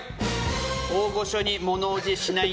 大御所に物怖じしない